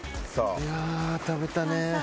いや食べたね。